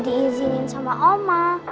tapi gak diizinin sama oma